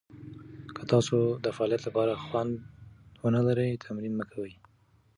که تاسو د فعالیت لپاره خوند ونه لرئ، تمرین مه کوئ.